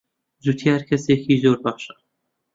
جوتیار کەسێکی زۆر باشە.